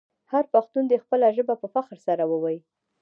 هر پښتون دې خپله ژبه په فخر سره وویې.